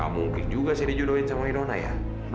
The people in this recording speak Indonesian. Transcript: mungkin juga sih di jodohin sama irwina ya